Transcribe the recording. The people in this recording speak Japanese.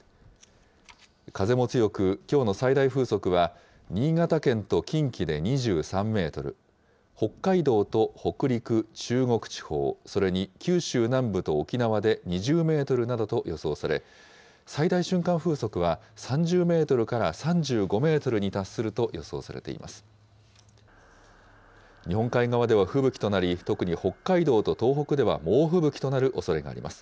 風も強く、きょうの最大風速は、新潟県と近畿で２３メートル、北海道と北陸、中国地方、それに九州南部と沖縄で２０メートルなどと予想され、最大瞬間風速は、３０メートルから３５メートルに達すると予想されています。